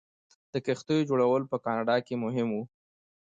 د کښتیو جوړول په کاناډا کې مهم و.